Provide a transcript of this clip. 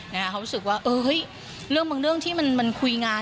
เขารู้สึกว่าเฮ้ยเรื่องบางเรื่องที่มันคุยงาน